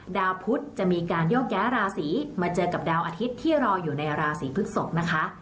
ดาวพุทธจะมีการโยกย้ายราศีมาเจอกับดาวอาทิตย์ที่รออยู่ในราศีพฤกษกนะคะ